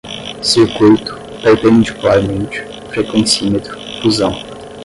circuito, perpendicularmente, frequencímetro, fusão